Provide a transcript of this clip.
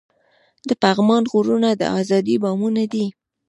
د پغمان غرونه د ازادۍ بامونه دي.